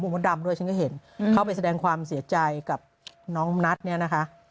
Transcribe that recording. มดดำด้วยฉันก็เห็นเข้าไปแสดงความเสียใจกับน้องนัทเนี่ยนะคะ